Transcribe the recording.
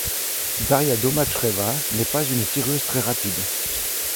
Darya Domracheva n'est pas une tireuse très rapide.